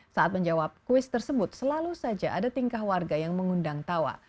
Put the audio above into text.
saat menjawab kuis tersebut selalu saja ada tingkah warga yang mengundang tawa